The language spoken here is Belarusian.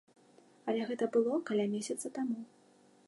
Але гэта было каля месяца таму.